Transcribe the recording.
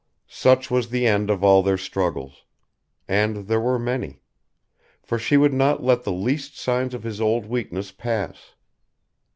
Such was the end of all their struggles; and there were many; for she would not let the least sign of his old weakness pass.